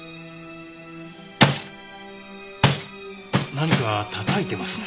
何か叩いてますね。